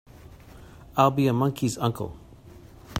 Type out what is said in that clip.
I'll be a monkey's uncle!